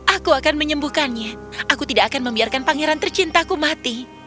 aku akan menyembuhkannya aku tidak akan membiarkan pangeran tercintaku mati